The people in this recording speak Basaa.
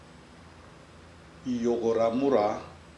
Yôgda mudaa.